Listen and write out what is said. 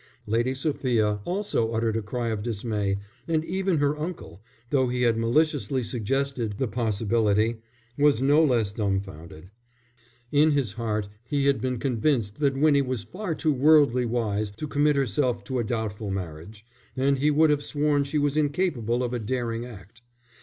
Lady Sophia also uttered a cry of dismay, and even her uncle, though he had maliciously suggested the possibility, was no less dumfounded. In his heart he had been convinced that Winnie was far too worldly wise to commit herself to a doubtful marriage, and he would have sworn she was incapable of a daring act.